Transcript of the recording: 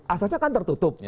asalnya kan tertutup